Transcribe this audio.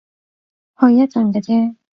去一陣㗎咋